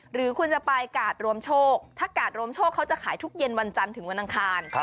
หรือคุณจะไปกาดรวมโชคถ้ากาดรวมโชคเขาจะขายทุกเย็นวันจันทร์ถึงวันอังคาร